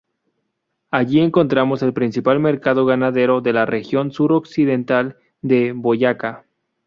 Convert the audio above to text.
Allí encontramos el principal mercado ganadero de la región sur-occidental de Boyacá.